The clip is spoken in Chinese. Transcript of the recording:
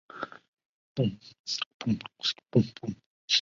当时她是世界最大的赛渔艇。